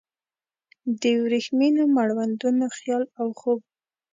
د وریښمینو مړوندونو خیال او خوب وم